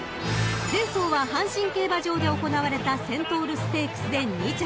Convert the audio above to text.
［前走は阪神競馬場で行われたセントウルステークスで２着］